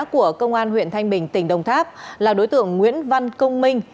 của công an huyện thanh bình tỉnh đồng tháp là đối tượng nguyễn văn công minh